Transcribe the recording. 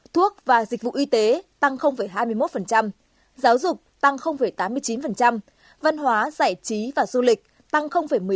thuốc và dịch vụ y tế tăng hai mươi một giáo dục tăng tám mươi chín văn hóa giải trí và du lịch tăng một mươi năm